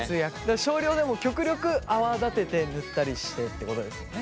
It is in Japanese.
少量でも極力泡立てて塗ったりしてってことですよね。